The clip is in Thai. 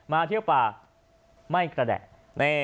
เที่ยวป่าไม่กระแดะ